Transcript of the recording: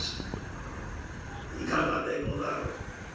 いかがでござろう？